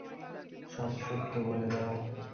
সব সত্য বলে দাও।